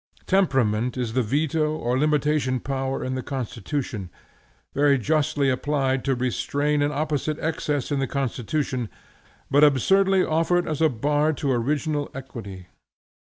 Temperament is the veto or limitation power in the constitution, very justly applied to restrain an opposite excess in the constitution, but absurdly offered as a bar to original equity.